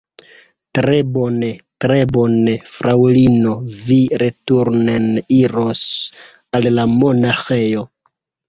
Tre bone, tre bone, Fraŭlino, vi returnen iros al la monaĥejo